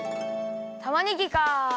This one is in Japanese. たまねぎか。